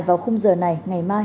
vào khung giờ này ngày mai